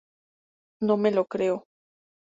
no me lo creo